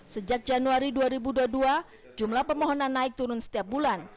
sejak januari dua ribu dua puluh dua jumlah pemohon naik turun setiap bulan